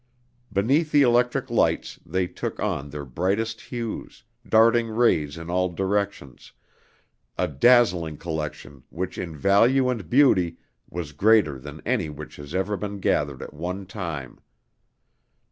Beneath the electric lights, they took on their brightest hues, darting rays in all directions, a dazzling collection which in value and beauty was greater than any which has ever been gathered at one time.